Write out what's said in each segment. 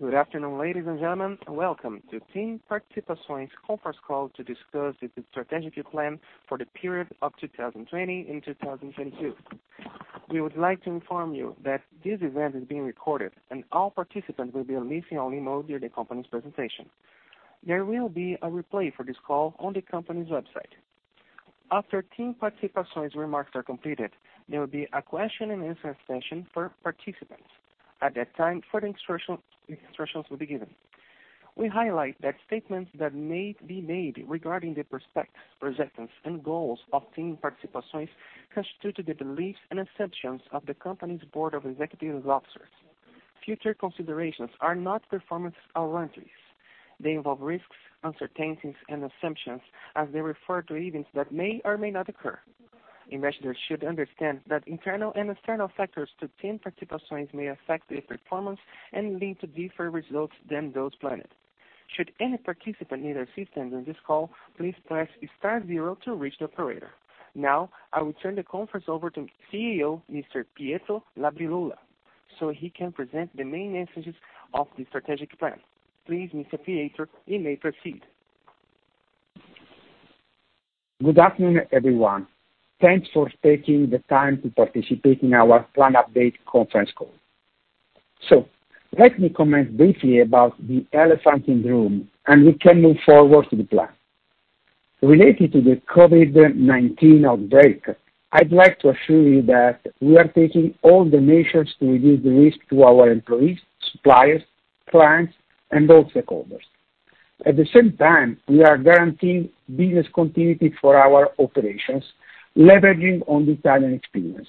Good afternoon, ladies and gentlemen. Welcome to TIM Participações conference call to discuss the strategic plan for the period of 2020 and 2022. We would like to inform you that this event is being recorded and all participants will be listening only mode during the company's presentation. There will be a replay for this call on the company's website. After TIM Participações remarks are completed, there will be a question and answer session for participants. At that time, further instructions will be given. We highlight that statements that may be made regarding the prospects, projections, and goals of TIM Participações constitute the beliefs and assumptions of the company's board of executives and officers. Future considerations are not performance guarantees. They involve risks, uncertainties, and assumptions as they refer to events that may or may not occur. Investors should understand that internal and external factors to TIM Participações may affect its performance and lead to different results than those planned. Should any participant need assistance on this call, please press star 0 to reach the operator. Now, I will turn the conference over to CEO, Mr. Pietro Labriola, so he can present the main messages of the strategic plan. Please, Mr. Pietro, you may proceed. Good afternoon, everyone. Thanks for taking the time to participate in our plan update conference call. Let me comment briefly about the elephant in the room, and we can move forward to the plan. Related to the COVID-19 outbreak, I'd like to assure you that we are taking all the measures to reduce the risk to our employees, suppliers, clients, and all stakeholders. At the same time, we are guaranteeing business continuity for our operations, leveraging on the Italian experience.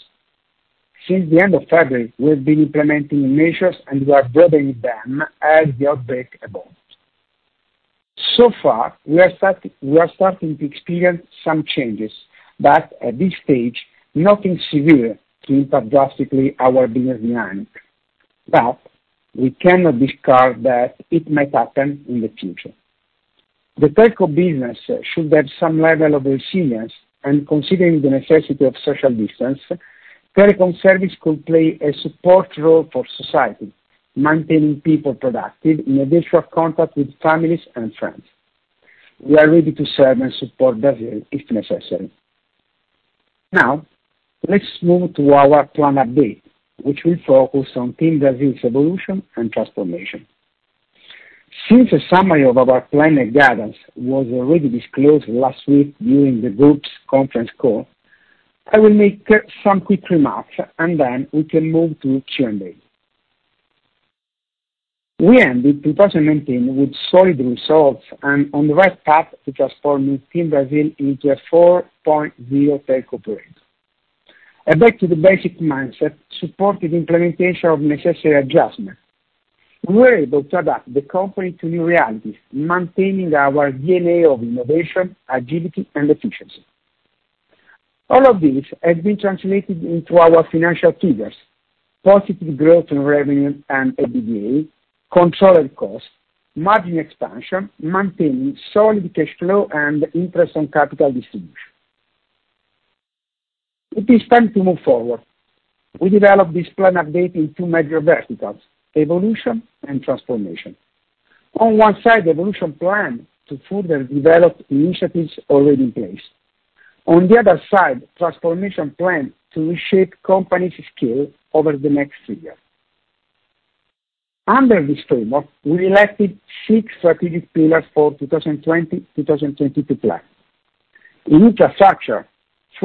Since the end of February, we've been implementing measures, and we are broadening them as the outbreak evolves. So far, we are starting to experience some changes, but at this stage, nothing severe to impact drastically our business dynamic. We cannot discard that it might happen in the future. The telco business should have some level of resilience, and considering the necessity of social distance, telecom service could play a support role for society, maintaining people productive in addition to contact with families and friends. We are ready to serve and support Brazil if necessary. Now, let's move to our plan update, which will focus on TIM Brazil's evolution and transformation. Since a summary of our planned guidance was already disclosed last week during the group's conference call, I will make some quick remarks, and then we can move to Q&A. We ended 2019 with solid results and on the right path to transforming TIM Brazil into a 4.0 telco operator. A back to the basic mindset supported implementation of necessary adjustment. We were able to adapt the company to new realities, maintaining our DNA of innovation, agility, and efficiency. All of this has been translated into our financial figures. Positive growth in revenue and EBITDA, controlled costs, margin expansion, maintaining solid cash flow and interest on capital distribution. It is time to move forward. We developed this plan update in two major verticals, evolution and transformation. On one side, evolution plan to further develop initiatives already in place. On the other side, transformation plan to reshape company's skill over the next figure. Under this framework, we elected six strategic pillars for 2020-2022 plan. In infrastructure, four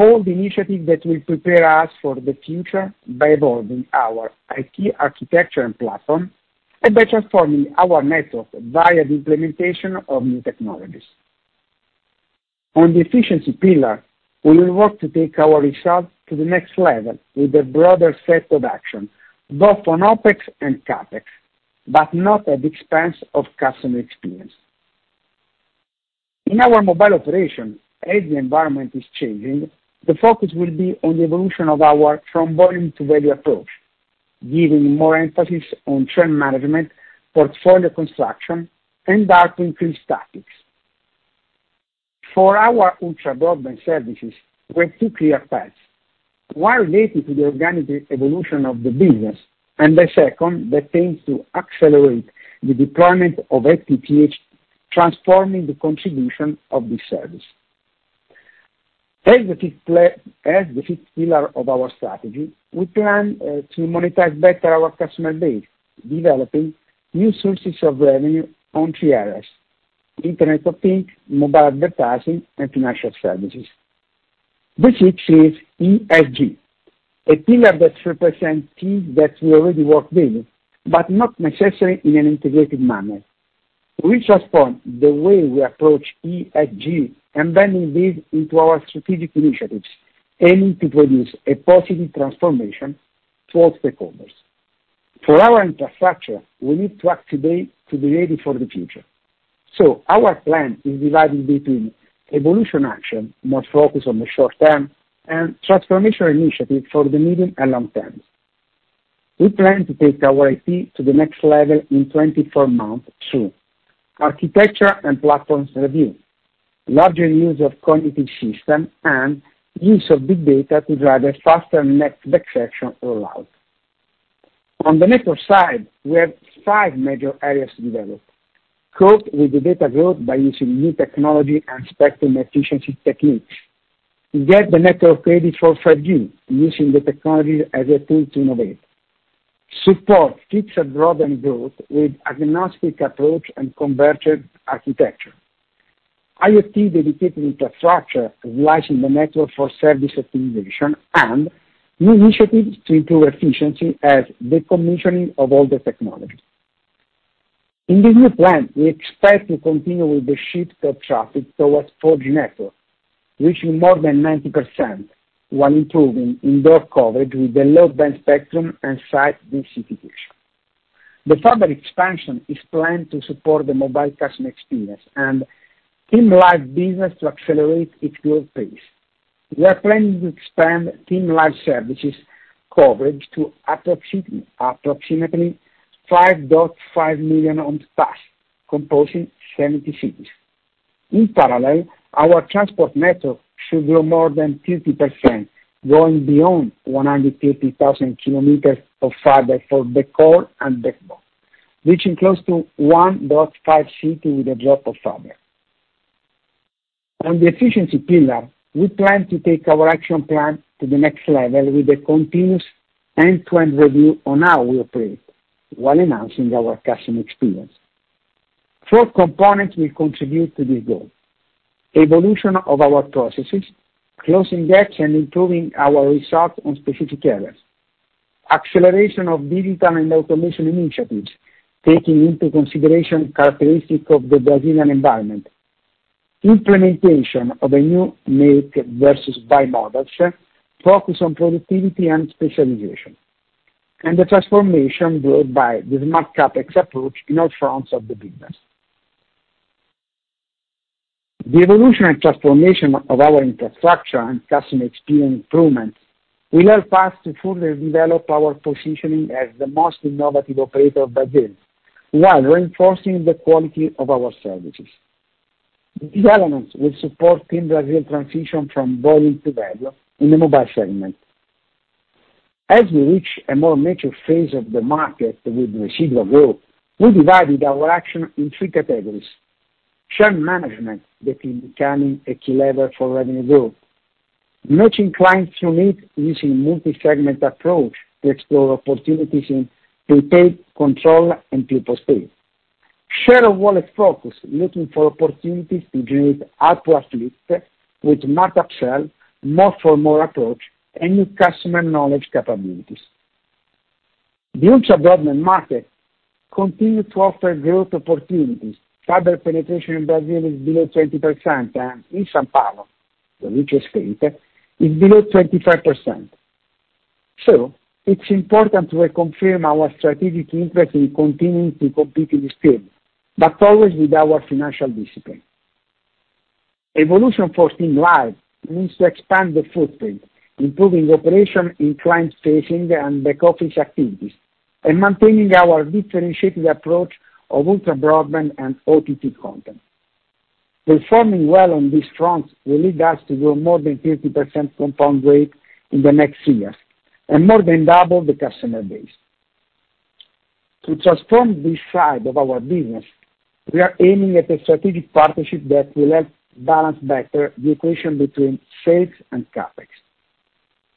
of the initiatives that will prepare us for the future by evolving our IT architecture and platform and by transforming our network via the implementation of new technologies. On the efficiency pillar, we will work to take our results to the next level with a broader set of action, both on OpEx and CapEx, but not at the expense of customer experience. In our mobile operation, as the environment is changing, the focus will be on the evolution of our from volume to value approach, giving more emphasis on trend management, portfolio construction, and data-driven statistics. For our ultra broadband services, we have two clear paths. One related to the organic evolution of the business, the second that aims to accelerate the deployment of FTTH, transforming the contribution of this service. As the fifth pillar of our strategy, we plan to monetize better our customer base, developing new sources of revenue on three areas, Internet of Things, mobile advertising, and financial services. The sixth is ESG, a pillar that represents things that we already work with, but not necessarily in an integrated manner. We transform the way we approach ESG and embedding this into our strategic initiatives, aiming to produce a positive transformation towards the common good. For our infrastructure, we need to act today to be ready for the future. Our plan is divided between evolution action, more focused on the short term, and transformation initiative for the medium and long terms. We plan to take our IT to the next level in 24 months through architecture and platforms review. Larger use of cognitive system and use of big data to drive a faster next best action rollout. On the network side, we have five major areas to develop. Cope with the data growth by using new technology and spectrum efficiency techniques. Get the network ready for 5G using the technologies as a tool to innovate. Support fixed broadband growth with agnostic approach and converted architecture. IoT dedicated infrastructure realizing the network for service optimization and new initiatives to improve efficiency as the commissioning of all the technologies. In the new plan, we expect to continue with the shift of traffic towards 4G network, reaching more than 90%, while improving indoor coverage with the low-band spectrum and site densification. The fiber expansion is planned to support the mobile customer experience and TIM Live business to accelerate its growth pace. We are planning to expand TIM Live services coverage to approximately 5.5 million homes passed, composing 70 cities. In parallel, our transport network should grow more than 50%, going beyond 150,000 km of fiber for the core and backbone, reaching close to 1.5 city with a drop of fiber. On the efficiency pillar, we plan to take our action plan to the next level with a continuous end-to-end review on how we operate while enhancing our customer experience. Four components will contribute to this goal. Evolution of our processes, closing gaps and improving our result on specific areas. Acceleration of digital and automation initiatives, taking into consideration characteristics of the Brazilian environment. Implementation of a new make versus buy models, focus on productivity and specialization. The transformation led by the smart CapEx approach in all fronts of the business. The evolution and transformation of our infrastructure and customer experience improvements will help us to further develop our positioning as the most innovative operator of Brazil while reinforcing the quality of our services. These elements will support TIM Brasil transition from volume to value in the mobile segment. As we reach a more mature phase of the market with residual growth, we divided our action in three categories. Share management that is becoming a key lever for revenue growth. Matching clients to needs using multi-segment approach to explore opportunities in prepaid, control, and post-paid. Share of wallet focus, looking for opportunities to generate ARPU uplift with smart upsell, more for more approach, and new customer knowledge capabilities. The ultra broadband market continue to offer growth opportunities. Fiber penetration in Brazil is below 20%, and in São Paulo, the richest state, is below 25%. It's important to reconfirm our strategic interest in continuing to compete in this field, but always with our financial discipline. Evolution for TIM Live means to expand the footprint, improving operation in client-facing and back-office activities, and maintaining our differentiated approach of ultra-broadband and OTT content. Performing well on this front will lead us to grow more than 30% compound rate in the next years and more than double the customer base. To transform this side of our business, we are aiming at a strategic partnership that will help balance better the equation between sales and CapEx.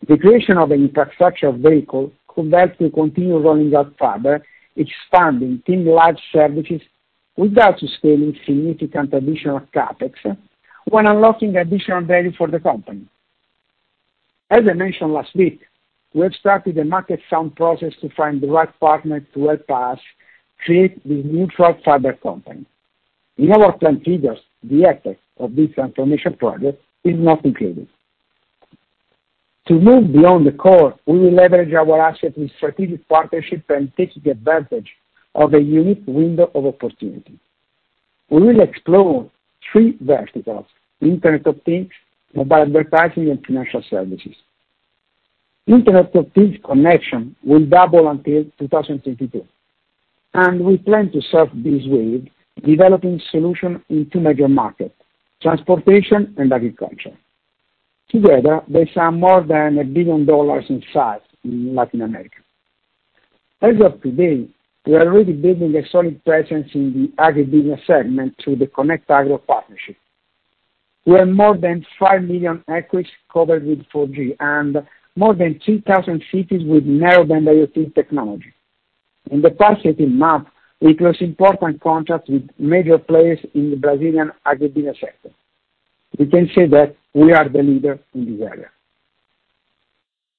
The creation of an infrastructure vehicle could help to continue rolling out fiber, expanding TIM Live services without scaling significant additional CapEx while unlocking additional value for the company. As I mentioned last week, we have started a market sound process to find the right partner to help us create this neutral fiber company. In our plan figures, the effect of this transformation project is not included. To move beyond the core, we will leverage our asset with strategic partnership and taking advantage of a unique window of opportunity. We will explore three verticals, Internet of Things, mobile advertising, and financial services. Internet of Things connection will double until 2022, and we plan to surf this wave developing solution in two major markets, transportation and agriculture. Together, they sum more than $1 billion in size in Latin America. As of today, we are already building a solid presence in the agribusiness segment through the ConectarAGRO partnership. We have more than 5 million acres covered with 4G and more than 2,000 cities with Narrowband IoT technology. In the past 18 months, we closed important contracts with major players in the Brazilian agribusiness sector. We can say that we are the leader in this area.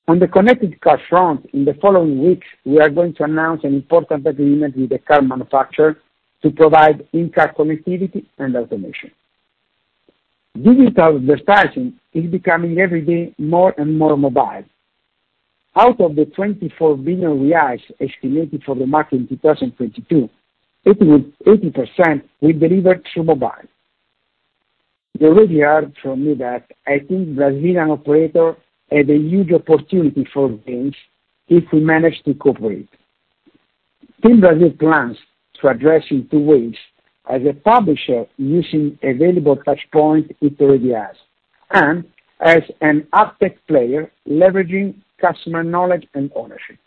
On the connected car front, in the following weeks, we are going to announce an important agreement with a car manufacturer to provide in-car connectivity and automation. Digital advertising is becoming every day more and more mobile. Out of the 24 billion reais estimated for the market in 2022, 80% will be delivered through mobile. You already heard from me that I think Brazilian operator has a huge opportunity for gains if we manage to cooperate. TIM Brasil plans to address in two ways: as a publisher using available touchpoint it already has, and as an active player leveraging customer knowledge and ownership.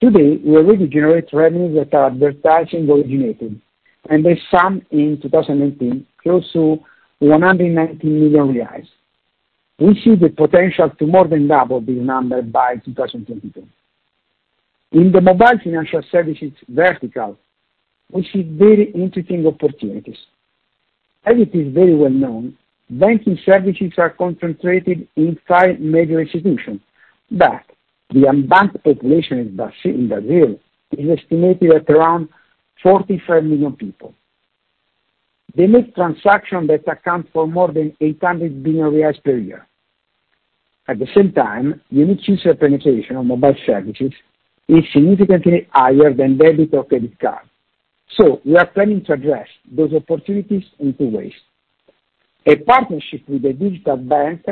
Today, we already generate revenues that are advertising originating, and they sum in 2019 close to 190 million reais. We see the potential to more than double this number by 2022. In the mobile financial services vertical, we see very interesting opportunities. As it is very well known, banking services are concentrated in five major institutions, but the unbanked population in Brazil is estimated at around 45 million people. They make transactions that account for more than 800 billion reais per year. At the same time, unique user penetration of mobile services is significantly higher than debit or credit card. We are planning to address those opportunities in two ways. A partnership with a digital bank,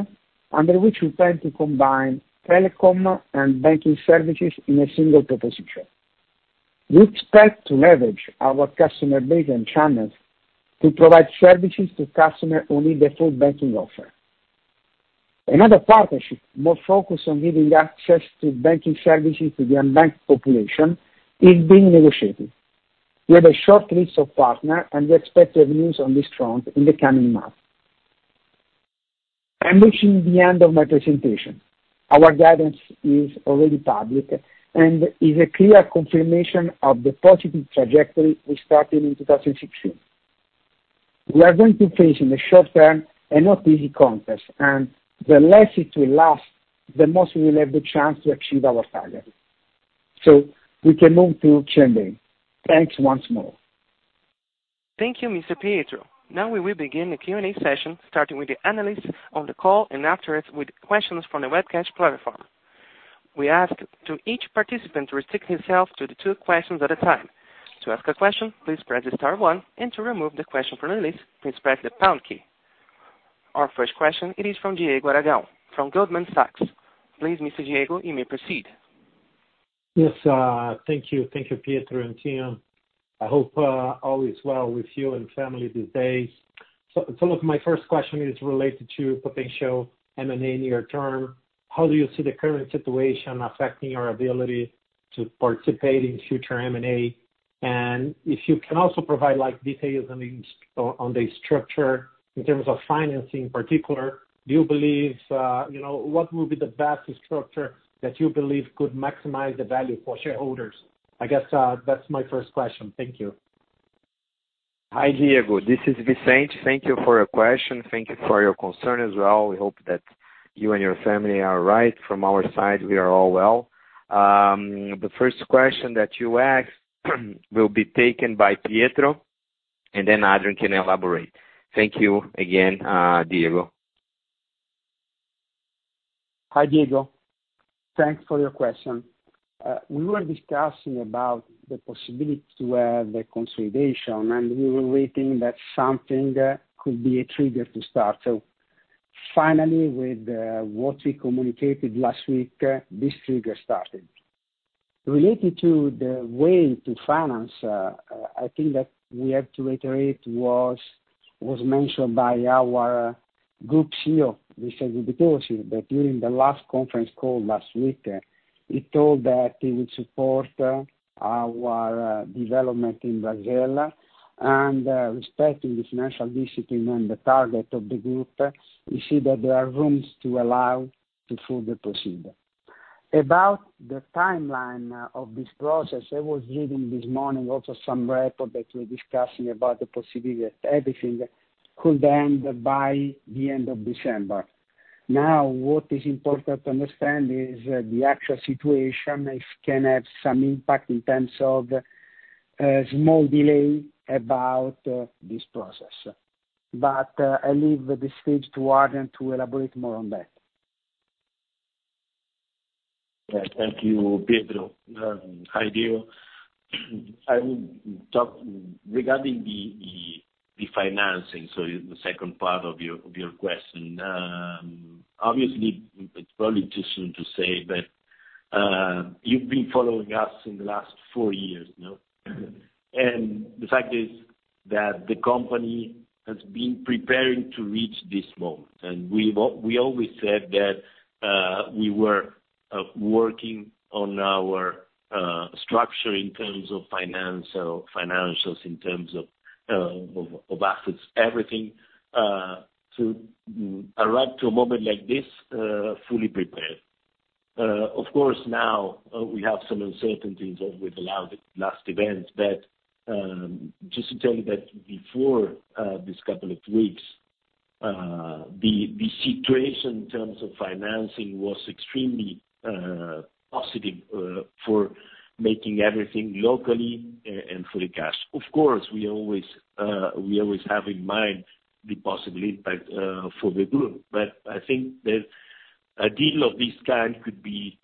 under which we plan to combine telecom and banking services in a single proposition. We expect to leverage our customer base and channels to provide services to customers who need the full banking offer. Another partnership, more focused on giving access to banking services to the unbanked population, is being negotiated. We have a short list of partners. We expect to have news on this front in the coming months. I'm reaching the end of my presentation. Our guidance is already public and is a clear confirmation of the positive trajectory we started in 2016. We are going to face in the short term a not easy contest. The less it will last, the most we will have the chance to achieve our targets. We can move to Q&A. Thanks once more. Thank you, Mr. Pietro. We will begin the Q&A session, starting with the analysts on the call and afterwards with questions from the webcast platform. We ask to each participant to restrict himself to the two questions at a time. To ask a question, please press star one, and to remove the question from the list, please press the pound key. Our first question is from Diego Aragão from Goldman Sachs. Please, Mr. Diego, you may proceed. Yes. Thank you. Thank you, Pietro and team. I hope all is well with you and family these days. Look, my first question is related to potential M&A near term. How do you see the current situation affecting your ability to participate in future M&A? If you can also provide details on the structure in terms of financing in particular. What will be the best structure that you believe could maximize the value for shareholders? I guess that's my first question. Thank you. Hi, Diego. This is Vicente. Thank you for your question. Thank you for your concern as well. We hope that you and your family are right. From our side, we are all well. The first question that you asked will be taken by Pietro, and then Adrian can elaborate. Thank you again, Diego. Hi, Diego. Thanks for your question. We were discussing about the possibility to have the consolidation, and we were waiting that something could be a trigger to start. Finally, with what we communicated last week, this trigger started. Related to the way to finance, I think that we have to reiterate what was mentioned by our Group CEO, Luigi Gubitosi, that during the last conference call last week, he told that he would support our development in Brazil and respecting the financial discipline and the target of the group, we see that there are rooms to allow to further proceed. About the timeline of this process, I was reading this morning also some report that we're discussing about the possibility that everything could end by the end of December. What is important to understand is the actual situation can have some impact in terms of a small delay about this process. I leave the stage to Adrian to elaborate more on that. Thank you, Pietro. Hi, Diego. Regarding the financing, the second part of your question. Obviously, it's probably too soon to say, but you've been following us in the last four years. The fact is that the company has been preparing to reach this moment. We always said that we were working on our structure in terms of financials, in terms of assets, everything to arrive to a moment like this fully prepared. Of course, now we have some uncertainties with the last events, but just to tell you that before these couple of weeks, the situation in terms of financing was extremely positive for making everything locally and for the cash. Of course, we always have in mind the possible impact for the group, but I think that a deal of this kind could be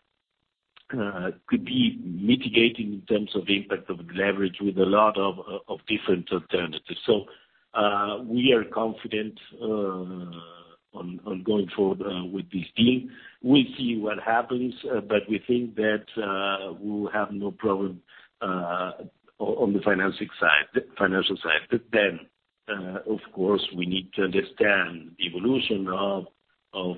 mitigating in terms of the impact of the leverage with a lot of different alternatives. We are confident going forward with this deal. We'll see what happens, but we think that we will have no problem on the financial side. Of course, we need to understand the evolution of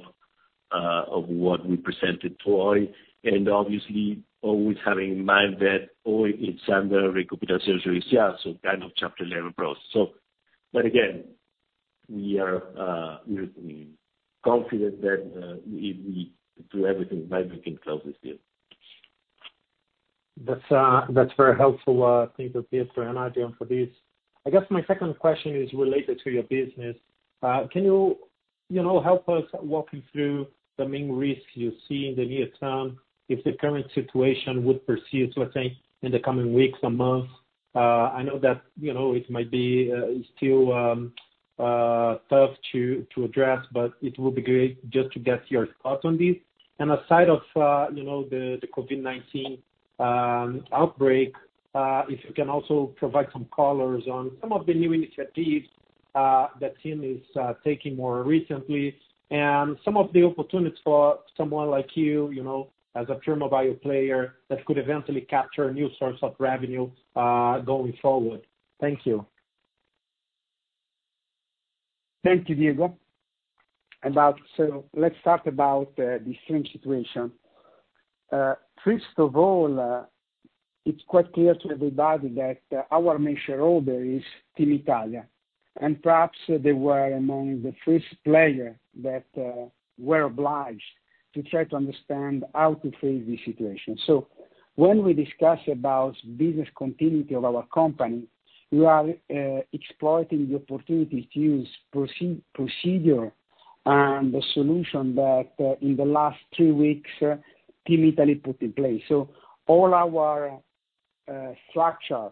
what we presented to Oi, and obviously always having in mind that Oi is under recuperação judicial, so kind of Chapter 11 process. Again, we are confident that if we do everything right, we can close this deal. That's very helpful. Thank you, Pietro and Adrian, for this. I guess my second question is related to your business. Can you help us walking through the main risks you see in the near term if the current situation would persist, let's say, in the coming weeks and months? I know that it might be still tough to address, but it will be great just to get your thoughts on this. Aside of the COVID-19 outbreak, if you can also provide some colors on some of the new initiatives that TIM is taking more recently and some of the opportunities for someone like you, as a pure mobile player that could eventually capture a new source of revenue going forward. Thank you. Thank you, Diego. Let's start about the current situation. First of all, it's quite clear to everybody that our main shareholder is TIM S.p.A.. Perhaps they were among the first player that were obliged to try to understand how to face this situation. When we discuss about business continuity of our company, we are exploiting the opportunity to use procedure and the solution that in the last 2 weeks, TIM Italy put in place. All our structure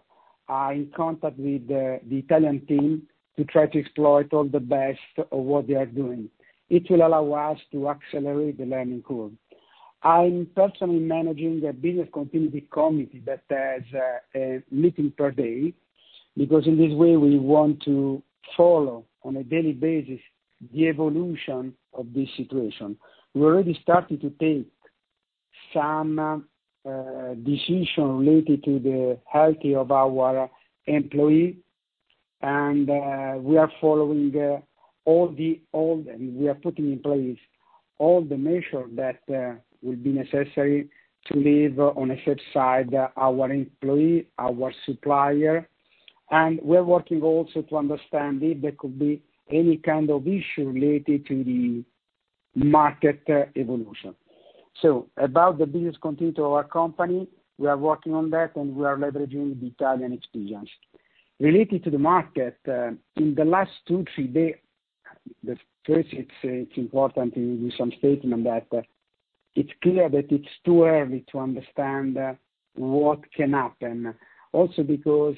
are in contact with the Italian team to try to exploit all the best of what they are doing. It will allow us to accelerate the learning curve. I'm personally managing a business continuity committee that has a meeting per day, because in this way, we want to follow on a daily basis the evolution of this situation. We already started to take some decision related to the health of our employee and we are putting in place all the measure that will be necessary to leave on a safe side our employee, our supplier. We're working also to understand if there could be any kind of issue related to the market evolution. About the business continuity of our company, we are working on that and we are leveraging the Italian experience. Related to the market, in the last two, three. First, it's important to do some statement that it's clear that it's too early to understand what can happen. Also because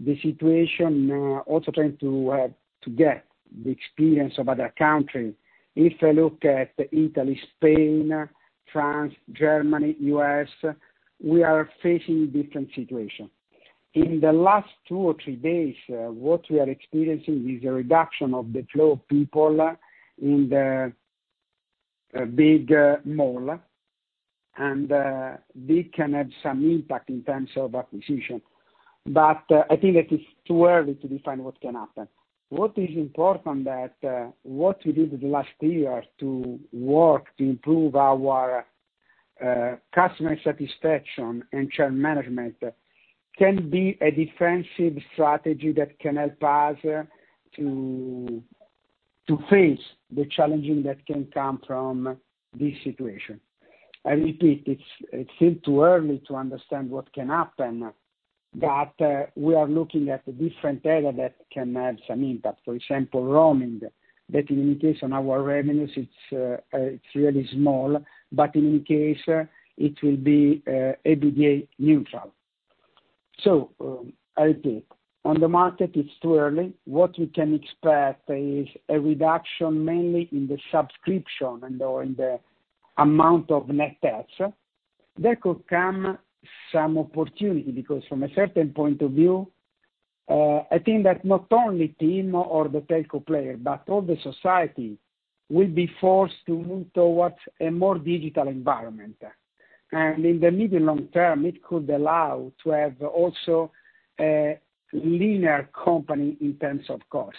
the situation, also trying to get the experience of other country. If I look at Italy, Spain, France, Germany, U.S., we are facing different situation. In the last two or three days, what we are experiencing is a reduction of the flow of people in the big mall and this can have some impact in terms of acquisition. I think that it's too early to define what can happen. What is important that what we did the last year to work to improve our customer satisfaction and churn management can be a defensive strategy that can help us to face the challenging that can come from this situation. I repeat, it seems too early to understand what can happen, but we are looking at different area that can have some impact. For example, roaming. That in case our revenues, it's really small, but in any case, it will be EBITDA neutral. I repeat, on the market it's too early. What we can expect is a reduction mainly in the subscription and/or in the amount of net adds. There could come some opportunity because from a certain point of view, I think that not only TIM or the telco player, but all the society will be forced to move towards a more digital environment. In the medium long term, it could allow to have also a leaner company in terms of cost.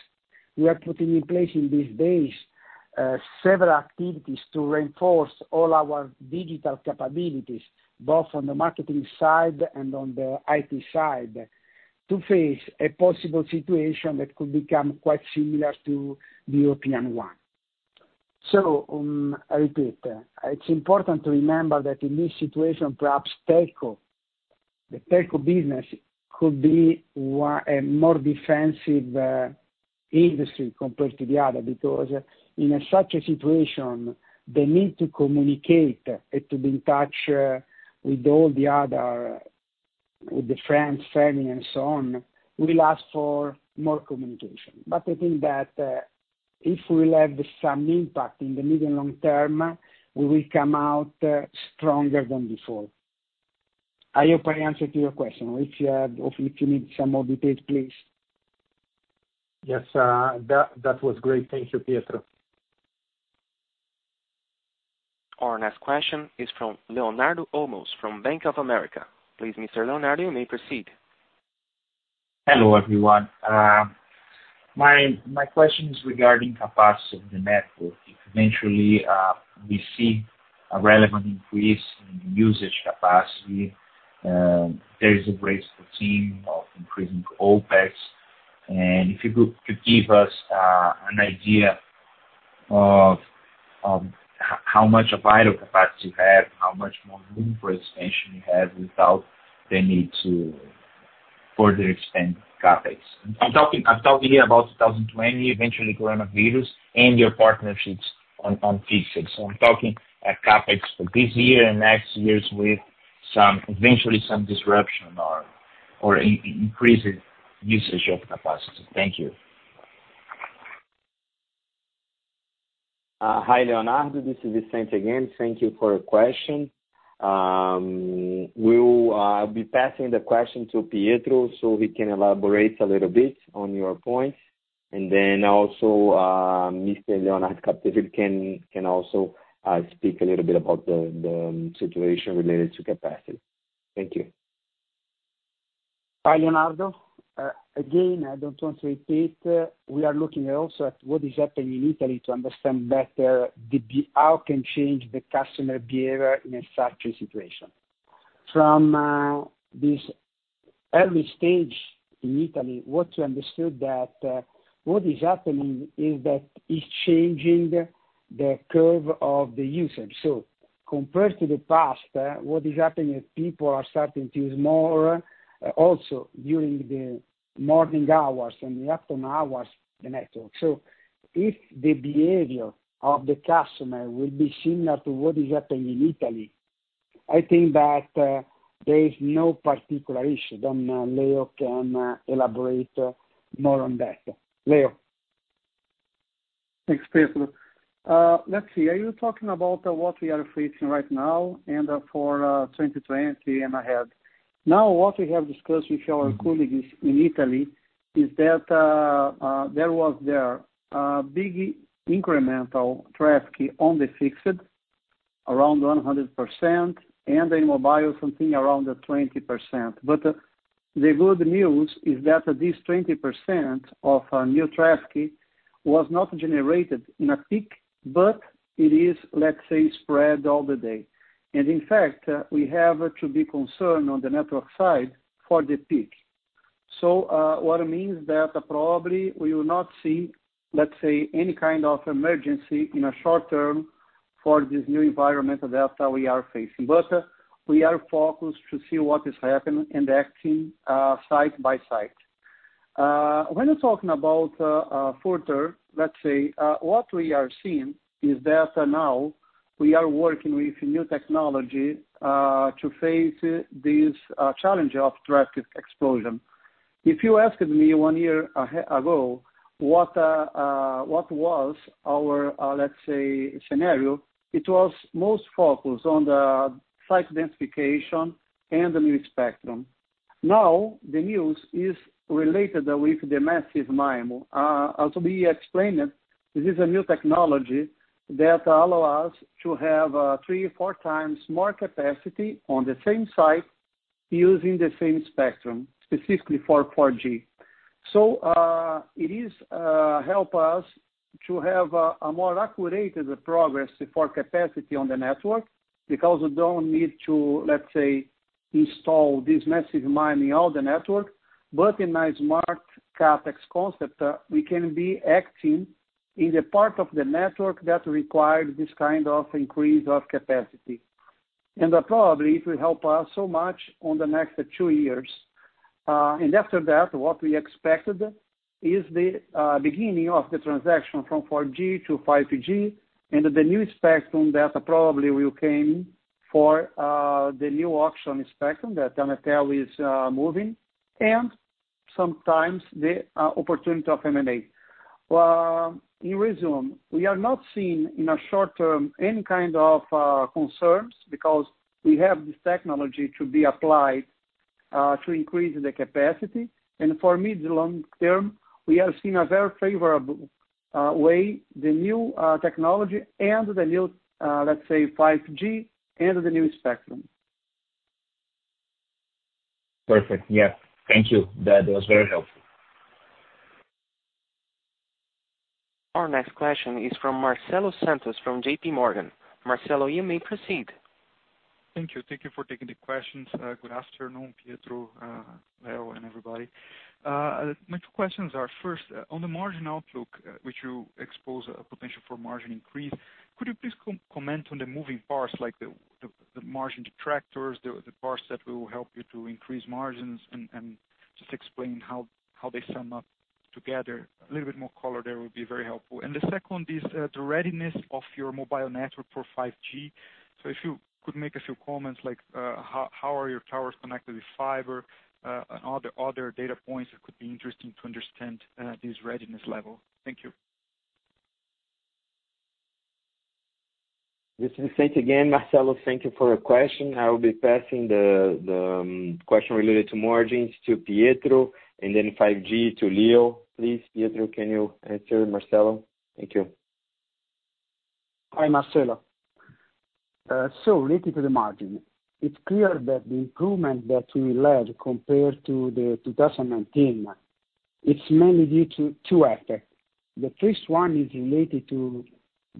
We are putting in place in these days several activities to reinforce all our digital capabilities, both on the marketing side and on the IT side, to face a possible situation that could become quite similar to the European one. I repeat. It's important to remember that in this situation, perhaps telco, the telco business could be a more defensive industry compared to the other because in such a situation, the need to communicate and to be in touch with the friends, family and so on, will ask for more communication. I think that if we will have some impact in the medium long term, we will come out stronger than before. I hope I answered your question. If you need some more details, please. Yes, that was great. Thank you, Pietro. Our next question is from Leonardo Olmos from Bank of America. Please, Mr. Leonardo, you may proceed. Hello, everyone. My question is regarding capacity of the network. If eventually we see a relevant increase in usage capacity, there is a risk for TIM of increasing OpEx. If you could give us an idea of how much available capacity you have, how much more room for expansion you have without the need to further expand CapEx. I'm talking here about 2020 eventually coronavirus and your partnerships on fixed. I'm talking a CapEx for this year and next year's with eventually some disruption or increasing usage of capacity. Thank you. Hi, Leonardo. This is Vicente again. Thank you for your question. I'll be passing the question to Pietro so he can elaborate a little bit on your points. Then also, Mr. Leonardo Capdeville can also speak a little bit about the situation related to capacity. Thank you. Hi, Leonardo. Again, I don't want to repeat. We are looking also at what is happening in Italy to understand better how can change the customer behavior in a factory situation. From this early stage in Italy, what we understood that what is happening is that it's changing the curve of the usage. Compared to the past, what is happening is people are starting to use more also during the morning hours and the afternoon hours the network. If the behavior of the customer will be similar to what is happening in Italy, I think that there is no particular issue. Leo can elaborate more on that. Leo. Thanks, Pietro. Let's see. Are you talking about what we are facing right now and for 2020 and ahead? What we have discussed with our colleagues in Italy is that there was there a big incremental traffic on the fixed around 100%, and in mobile, something around 20%. The good news is that this 20% of new traffic was not generated in a peak, but it is, let's say, spread all the day. In fact, we have to be concerned on the network side for the peak. What it means that probably we will not see, let's say, any kind of emergency in a short term for this new environmental data we are facing. We are focused to see what is happening and acting site by site. When you're talking about further, let's say, what we are seeing is that now we are working with new technology to face this challenge of traffic explosion. If you asked me one year ago what was our, let's say, scenario, it was most focused on the site densification and the new spectrum. The news is related with the Massive MIMO. As we explained it, this is a new technology that allow us to have three or four times more capacity on the same site using the same spectrum, specifically for 4G. It is help us to have a more accurate progress for capacity on the network because we don't need to, let's say, install this Massive MIMO in all the network. In a smart CapEx concept, we can be acting in the part of the network that requires this kind of increase of capacity. Probably it will help us so much on the next two years. After that, what we expected is the beginning of the transaction from 4G-5G and the new spectrum that probably will come for the new auction spectrum that Anatel is moving, and sometimes the opportunity of M&A. In resume, we are not seeing in a short term any kind of concerns because we have this technology to be applied to increase the capacity. For mid to long term, we are seeing a very favorable way, the new technology and the new, let's say, 5G and the new spectrum. Perfect. Yeah. Thank you. That was very helpful. Our next question is from Marcelo Santos from JPMorgan. Marcelo, you may proceed. Thank you. Thank you for taking the questions. Good afternoon, Pietro, Leo, and everybody. My two questions are, first, on the margin outlook, which you expose a potential for margin increase, could you please comment on the moving parts, like the margin detractors, the parts that will help you to increase margins, and just explain how they sum up together? A little bit more color there would be very helpful. The second is the readiness of your mobile network for 5G. If you could make a few comments, like how are your towers connected with fiber and other data points that could be interesting to understand this readiness level. Thank you. This is Vicente again. Marcelo, thank you for your question. I will be passing the question related to margins to Pietro and then 5G to Leo. Please, Pietro, can you answer Marcelo? Thank you. Hi, Marcelo. Related to the margin, it's clear that the improvement that we led compared to 2019, it's mainly due to two factors. The first one is related to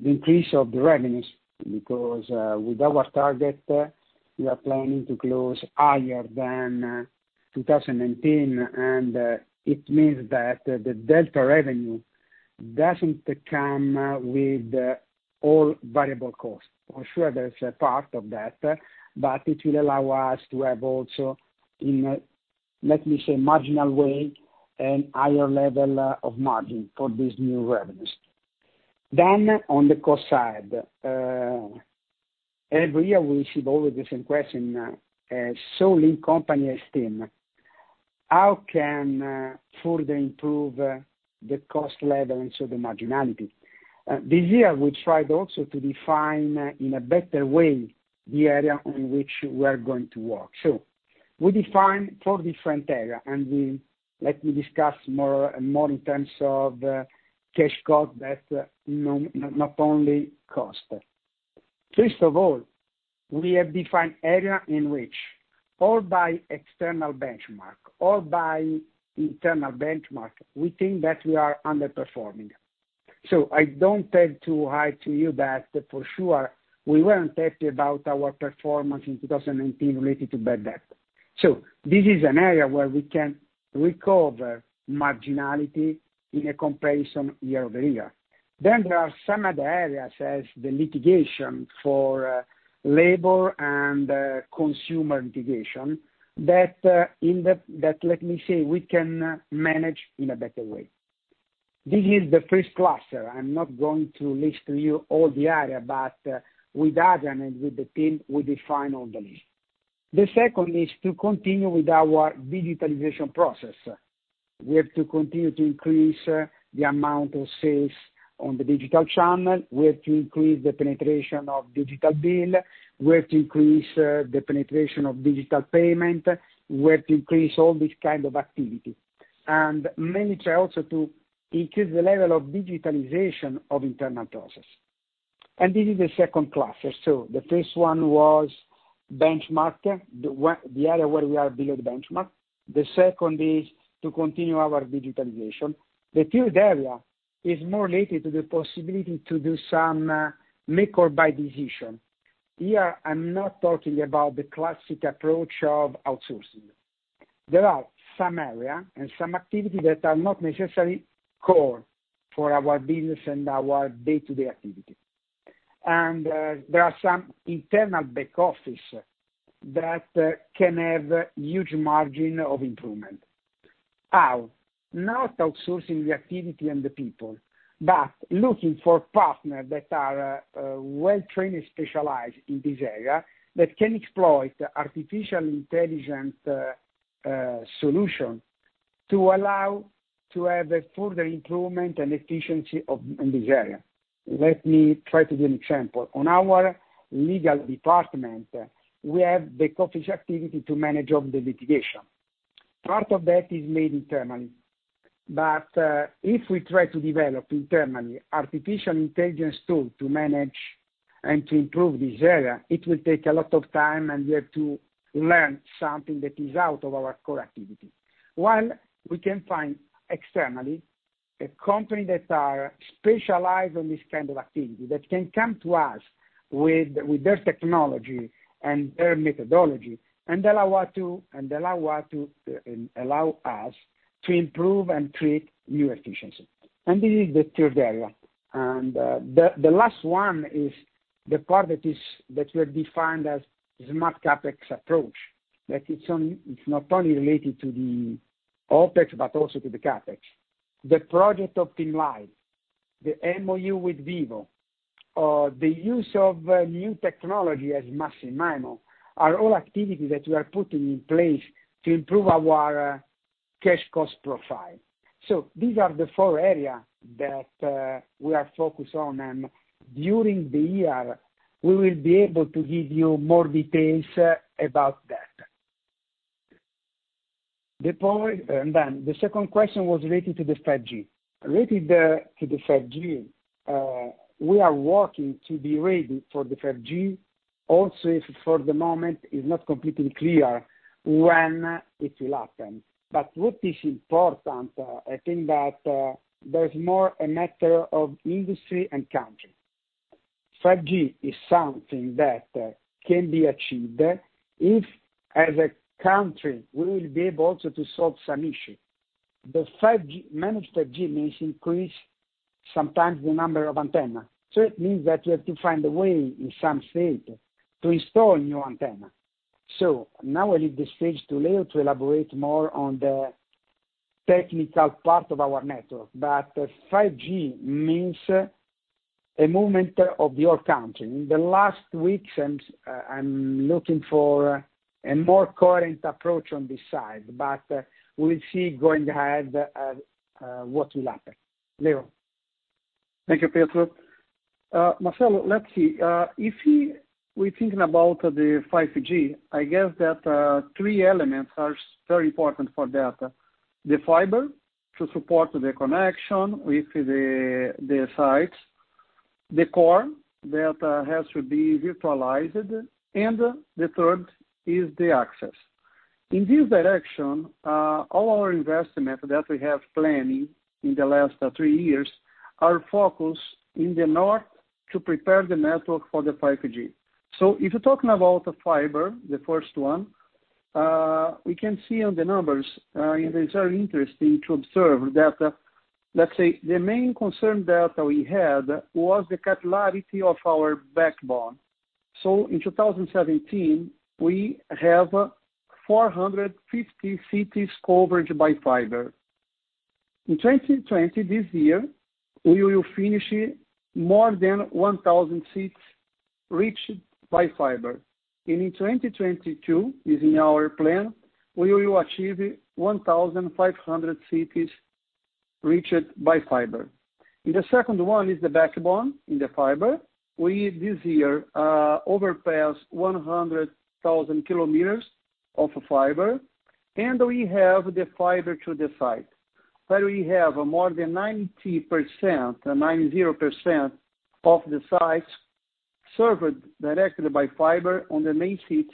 the increase of the revenues, because with our target, we are planning to close higher than 2019, it means that the delta revenue doesn't come with all variable cost. For sure, there's a part of that, it will allow us to have also in, let me say, marginal way, an higher level of margin for this new revenues. On the cost side. Every year, we receive always the same question. In company as TIM, how can further improve the cost level and so the marginality? This year, we tried also to define in a better way the area on which we are going to work. We define four different areas, and let me discuss more in terms of cash cost, not only cost. First of all, we have defined areas in which all by external benchmark or by internal benchmark, we think that we are underperforming. I don't tell too high to you that for sure we weren't happy about our performance in 2019 related to bad debt. This is an area where we can recover marginality in a comparison year-over-year. There are some other areas, as the litigation for labor and consumer litigation that let me say, we can manage in a better way. This is the first cluster. I'm not going to list to you all the areas, but with Adrian and with the team, we define all the list. The second is to continue with our digitalization process. We have to continue to increase the amount of sales on the digital channel. We have to increase the penetration of digital bill. We have to increase the penetration of digital payment. We have to increase all this kind of activity. Mainly try also to increase the level of digitalization of internal process. This is the second cluster. The first one was benchmark, the area where we are below the benchmark. The second is to continue our digitalization. The third area is more related to the possibility to do some make or buy decision. Here, I'm not talking about the classic approach of outsourcing. There are some area and some activity that are not necessarily core for our business and our day-to-day activity. There are some internal back office that can have huge margin of improvement. How? Not outsourcing the activity and the people, but looking for partner that are well trained and specialized in this area that can exploit artificial intelligence solution to allow to have a further improvement and efficiency in this area. Let me try to give an example. On our legal department, we have the office activity to manage all the litigation. Part of that is made internally. If we try to develop internally artificial intelligence tool to manage and to improve this area, it will take a lot of time, and we have to learn something that is out of our core activity. While we can find externally a company that are specialized on this kind of activity that can come to us with their technology and their methodology and allow us to improve and create new efficiency. This is the third area. The last one is the part that were defined as smart CapEx approach, that it's not only related to the OpEx, but also to the CapEx. The project of TIM Live, the MOU with Vivo, or the use of new technology as Massive MIMO are all activities that we are putting in place to improve our cash cost profile. These are the four area that we are focused on, and during the year, we will be able to give you more details about that. The second question was related to the 5G. Related to the 5G, we are working to be ready for the 5G. For the moment, it's not completely clear when it will happen. What is important, I think that there's more a matter of industry and country. 5G is something that can be achieved if, as a country, we will be able to solve some issue. The managed 5G means increase sometimes the number of antenna. It means that we have to find a way in some state to install new antenna. Now I leave the stage to Leo to elaborate more on the technical part of our network. 5G means a movement of your country. In the last weeks, I'm looking for a more current approach on this side, but we'll see going ahead, what will happen. Leo. Thank you, Pietro. Marcelo, let's see. If we're thinking about the 5G, I guess that three elements are very important for data. The fiber to support the connection with the sites, the core that has to be virtualized, and the third is the access. In this direction, all our investment that we have planning in the last three years are focused in the north to prepare the network for the 5G. If you're talking about the fiber, the first one, we can see on the numbers, and it's very interesting to observe that, let's say, the main concern that we had was the capillarity of our backbone. In 2017, we have 450 cities covered by fiber. In 2020, this year, we will finish more than 1,000 cities reached by fiber. In 2022, is in our plan, we will achieve 1,500 cities reached by fiber. In the second one is the backbone in the fiber. We, this year, overpassed 100,000 kilometers of fiber, and we have the fiber to the site. Where we have more than 90%, 9-0 percent, of the sites served directly by fiber on the main cities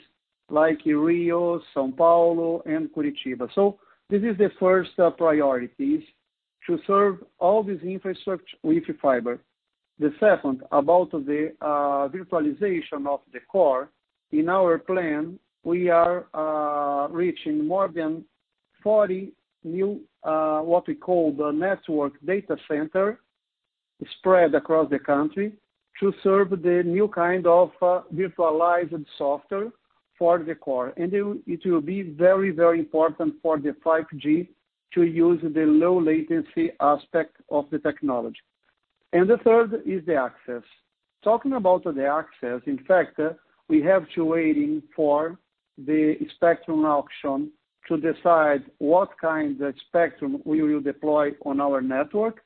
like Rio, São Paulo, and Curitiba. This is the first priorities, to serve all this infrastructure with fiber. The second about the virtualization of the core, in our plan, we are reaching more than 40 new, what we call the network data center, spread across the country to serve the new kind of virtualized software for the core. It will be very important for the 5G to use the low latency aspect of the technology. The third is the access. Talking about the access, in fact, we have to waiting for the spectrum auction to decide what kind of spectrum we will deploy on our network.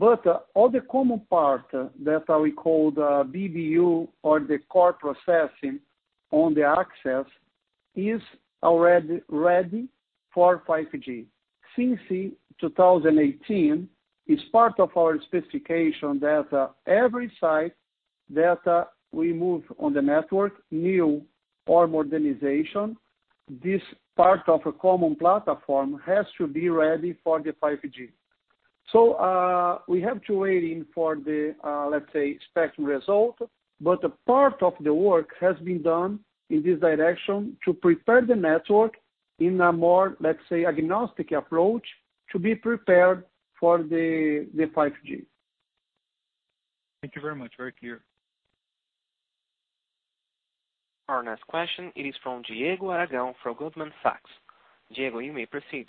All the common part that we call the BBU or the core processing on the access is already ready for 5G. Since 2018, it's part of our specification that every site that we move on the network, new or modernization, this part of a common platform has to be ready for the 5G. We have to waiting for the, let's say, spectrum result, but a part of the work has been done in this direction to prepare the network in a more, let's say, agnostic approach to be prepared for the 5G. Thank you very much. Very clear. Our next question is from Diego Aragão for Goldman Sachs. Diego, you may proceed.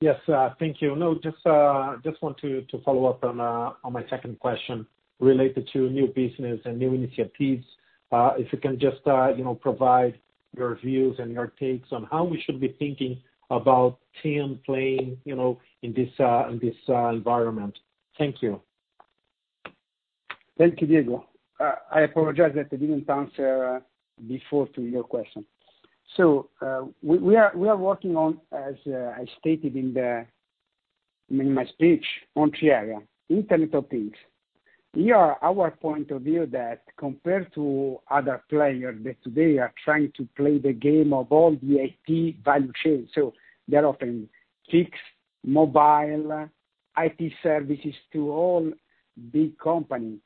Yes. Thank you. I just want to follow up on my second question related to new business and new initiatives. If you can just provide your views and your takes on how we should be thinking about TIM playing in this environment. Thank you. Thank you, Diego. I apologize that I didn't answer before to your question. We are working on, as I stated in my speech, on three area, Internet of Things. Our point of view that compared to other players that today are trying to play the game of all the IT value chain, so they're offering fixed mobile IT services to all big company.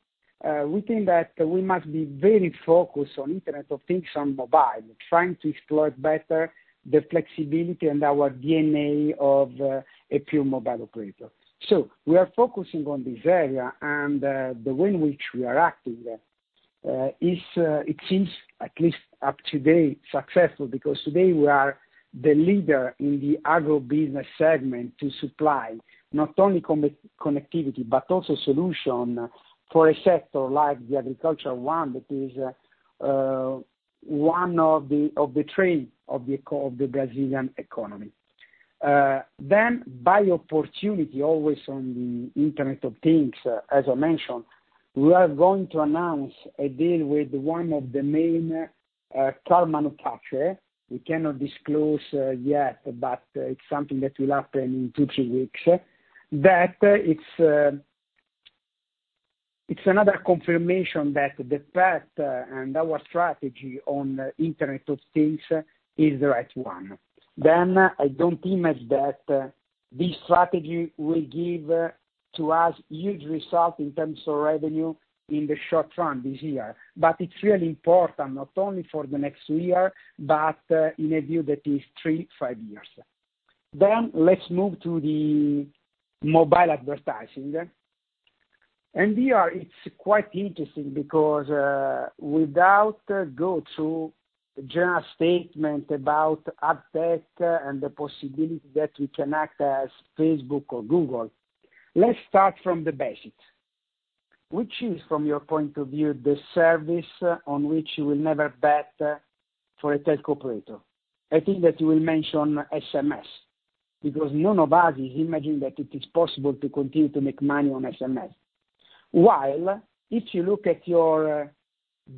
We think that we must be very focused on Internet of Things on mobile, trying to explore better the flexibility and our DNA of a pure mobile operator. We are focusing on this area, and the way in which we are acting is, it seems at least up to date, successful because today we are the leader in the agribusiness segment to supply not only connectivity, but also solution for a sector like the agricultural one that is one of the drivers of the Brazilian economy. By opportunity, always on the Internet of Things, as I mentioned, we are going to announce a deal with one of the main car manufacturer. We cannot disclose yet, but it's something that will happen in two, three weeks. That it's another confirmation that the path and our strategy on Internet of Things is the right one. I don't imagine that this strategy will give to us huge result in terms of revenue in the short run this year. It's really important not only for the next year, but in a view that is three, five years. Let's move to the mobile advertising. Here it's quite interesting because, without go through general statement about ad tech and the possibility that we can act as Facebook or Google, let's start from the basics. Which is, from your point of view, the service on which you will never bet for a telco operator? I think that you will mention SMS, because none of us is imagining that it is possible to continue to make money on SMS. While if you look at your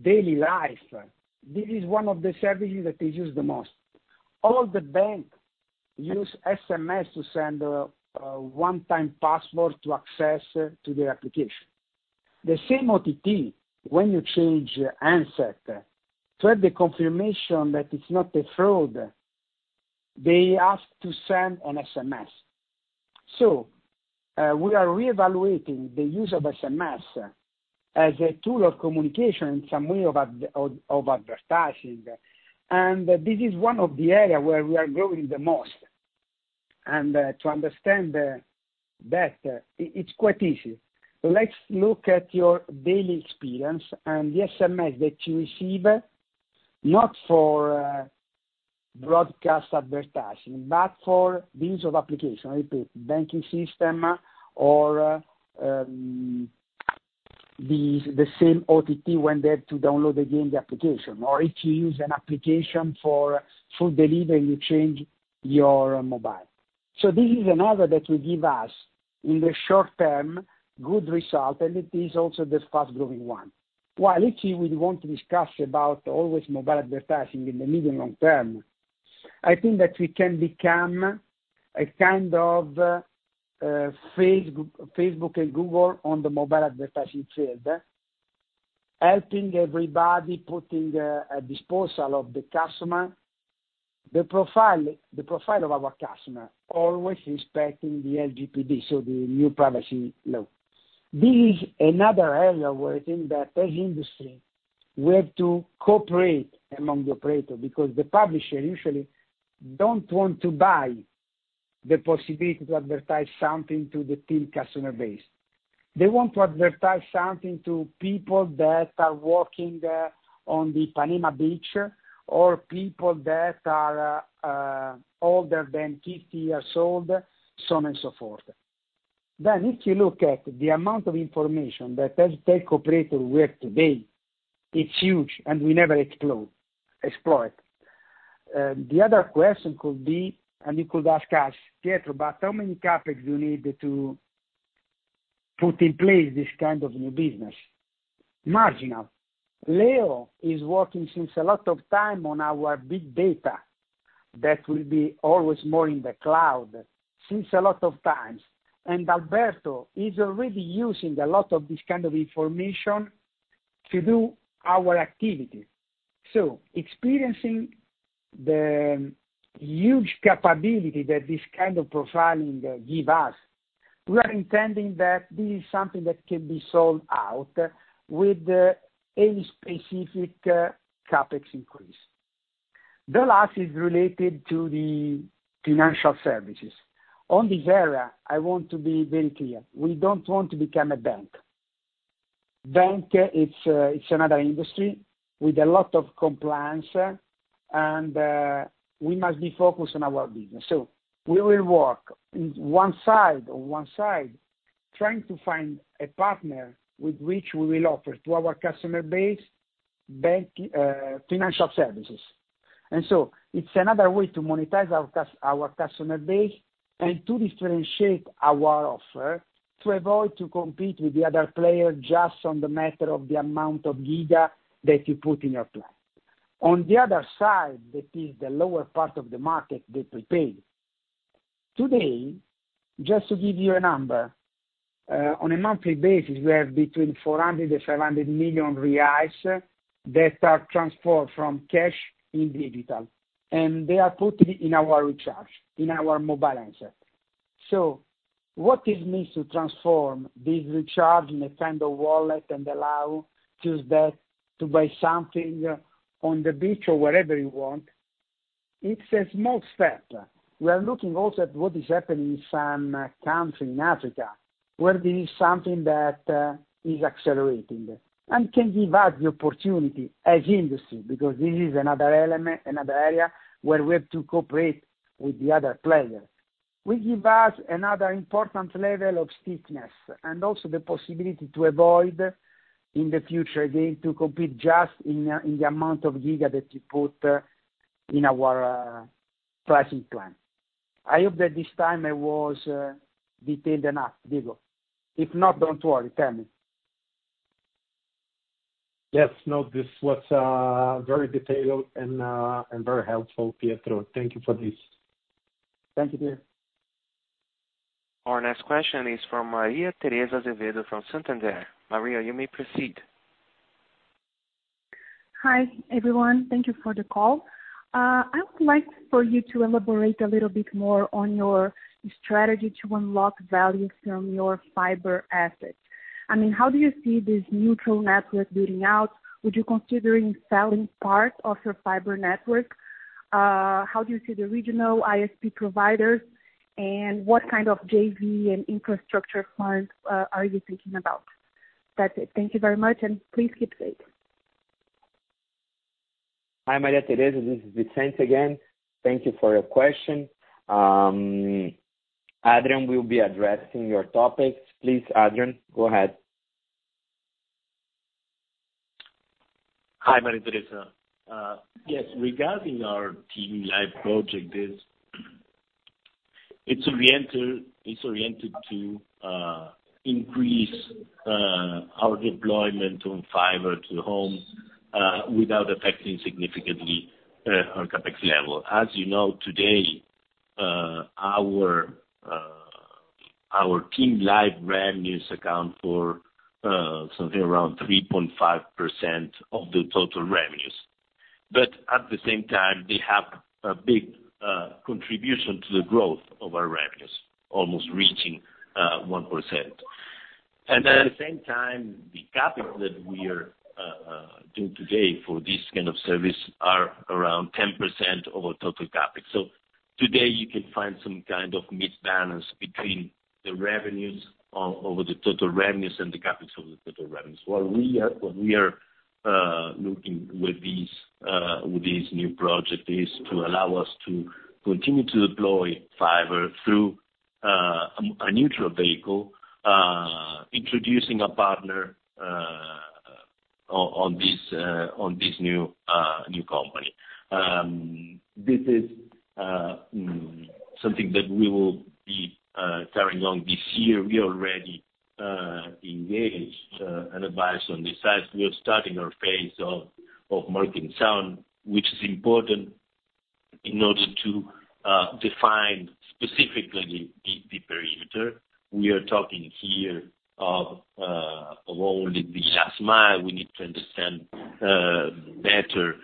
daily life, this is one of the services that is used the most. All the banks use SMS to send a one-time password to access to the application. The same OTT, when you change MSISDN, to have the confirmation that it's not a fraud, they ask to send an SMS. We are reevaluating the use of SMS as a tool of communication and some way of advertising. This is one of the area where we are growing the most. To understand better, it's quite easy. Let's look at your daily experience and the SMS that you receive, not for broadcast advertising, but for the use of application, I repeat, banking system or the same OTT when they're to download again the application, or if you use an application for food delivery, you change your mobile. This is another that will give us, in the short term, good result, and it is also the fast-growing one. If you would want to discuss about always mobile advertising in the medium long term, I think that we can become a kind of Facebook and Google on the mobile advertising field, helping everybody, putting at disposal of the customer the profile of our customer, always respecting the LGPD, so the new privacy law. This is another area where I think that as industry, we have to cooperate among the operator because the publisher usually don't want to buy the possibility to advertise something to the TIM customer base. They want to advertise something to people that are working on the Copacabana Beach, or people that are older than 50 years old, so on and so forth. If you look at the amount of information that as telco operator we have today, it's huge, and we never explore it. The other question could be, and you could ask us, "Pietro, how many CapEx do you need to put in place this kind of new business?" Marginal. Leo is working since a lot of time on our big data that will be always more in the cloud since a lot of times. Alberto is already using a lot of this kind of information to do our activity. Experiencing the huge capability that this kind of profiling give us, we are intending that this is something that can be sold out with any specific CapEx increase. The last is related to the financial services. On this area, I want to be very clear. We don't want to become a bank. Bank, it's another industry with a lot of compliance, and we must be focused on our business. We will work in one side, trying to find a partner with which we will offer to our customer base bank financial services. It's another way to monetize our customer base and to differentiate our offer to avoid to compete with the other player just on the matter of the amount of giga that you put in your plan. On the other side, that is the lower part of the market, the prepaid. Today, just to give you a number, on a monthly basis, we have between 400 million reais to 500 million reais that are transferred from cash in digital. They are put in our recharge, in our mobile wallet. What it means to transform this recharge in a kind of wallet and allow just that to buy something on the beach or wherever you want, it's a small step. We are looking also at what is happening in some country in Africa, where there is something that is accelerating and can give us the opportunity as industry, because this is another element, another area where we have to cooperate with the other players. Will give us another important level of stickiness and also the possibility to avoid in the future, again, to compete just in the amount of giga that you put in our pricing plan. I hope that this time I was detailed enough, Diego. If not, don't worry. Tell me. Yes. No, this was very detailed and very helpful, Pietro. Thank you for this. Thank you, Diego. Our next question is from Maria Tereza Azevedo from Santander. Maria, you may proceed. Hi, everyone. Thank you for the call. I would like for you to elaborate a little bit more on your strategy to unlock value from your fiber assets. How do you see this neutral network building out? Would you considering selling parts of your fiber network? How do you see the regional ISP providers? What kind of JV and infrastructure funds are you thinking about? That's it. Thank you very much, and please keep safe. Hi, Maria Teresa. This is Vicente again. Thank you for your question. Adrian will be addressing your topics. Please, Adrian, go ahead. Hi, Maria Teresa. Yes, regarding our TIM Live project, it's oriented to increase our deployment on fiber to home without affecting significantly our CapEx level. As you know, today, our TIM Live revenues account for something around 3.5% of the total revenues. At the same time, they have a big contribution to the growth of our revenues, almost reaching 1%. At the same time, the CapEx that we are doing today for this kind of service are around 10% of our total CapEx. Today you can find some kind of misbalance between the revenues over the total revenues and the CapEx over the total revenues. What we are looking with this new project is to allow us to continue to deploy fiber through a neutral vehicle, introducing a partner on this new company. This is something that we will be carrying on this year. We already engaged an advisor on this side. We are starting our phase of market sounding, which is important in order to define specifically the perimeter. We are talking here of only the last mile. We need to understand better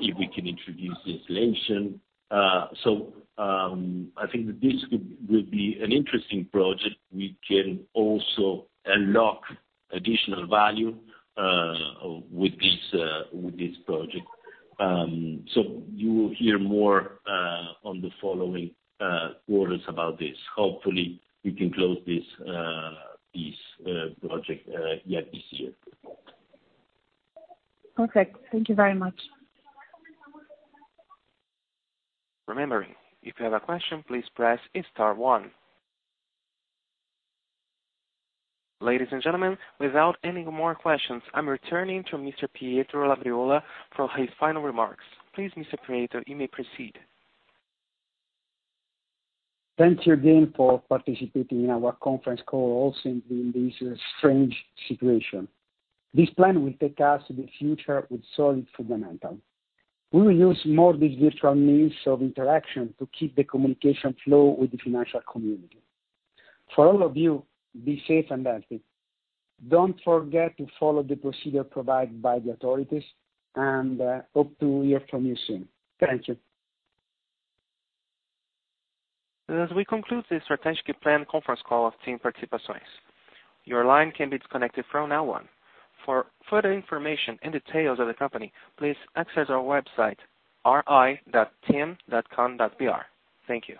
if we can introduce insulation. I think that this will be an interesting project. We can also unlock additional value with this project. You will hear more on the following quarters about this. Hopefully, we can close this project yet this year. Okay. Thank you very much. Remembering, if you have a question, please press star one. Ladies and gentlemen, without any more questions, I am returning to Mr. Pietro Labriola for his final remarks. Please, Mr. Pietro, you may proceed. Thanks again for participating in our conference call, also in this strange situation. This plan will take us to the future with solid fundamentals. We will use more these virtual means of interaction to keep the communication flow with the financial community. For all of you, be safe and healthy. Don't forget to follow the procedure provided by the authorities, and hope to hear from you soon. Thank you. As we conclude this strategic plan conference call of TIM Participações, your line can be disconnected from now on. For further information and details of the company, please access our website, ri.tim.com.br. Thank you.